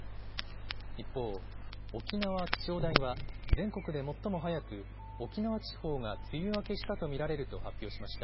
一方、沖縄気象台は全国で最も早く沖縄地方が梅雨明けしたと見られると発表しました。